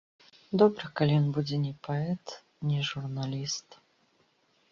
Добра, калі ён будзе не паэт, не журналіст.